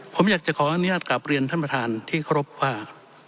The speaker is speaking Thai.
ผมอยากจะขออนุญาตกลับเรียนท่านประธานที่เคารพว่า